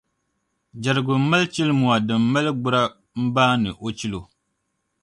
Jɛrigu m-mali chilimua din mali gbura m-baani o chilo.